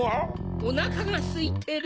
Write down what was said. おなかがすいてる？